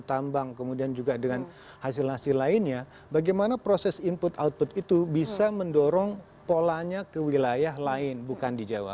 tambang kemudian juga dengan hasil hasil lainnya bagaimana proses input output itu bisa mendorong polanya ke wilayah lain bukan di jawa